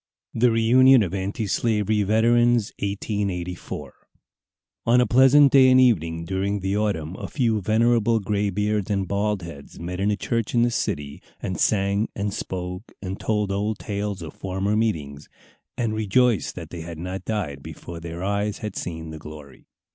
THE REUNION OF ANTISLAVERY VETERANS. 1884 On a pleasant day and evening during the autumn a few venerable graybeards and bald heads met in a church in the city, and sang and spoke, and told old tales of former meetings, and rejoiced that they had not died before their eyes had seen the glory.